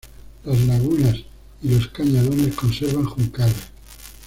Las lagunas y los cañadones conservan juncales.